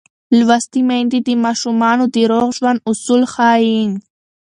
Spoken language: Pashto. لوستې میندې د ماشومانو د روغ ژوند اصول ښيي.